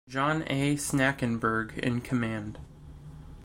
John A. Snackenberg in command.